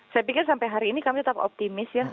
saya pikir sampai hari ini kami tetap optimis ya